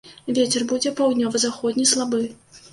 Вецер будзе паўднёва-заходні, слабы.